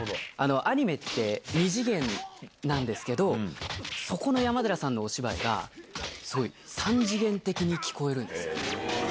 アニメって２次元なんですけどそこの山寺さんのお芝居が３次元的に聞こえるんですよ。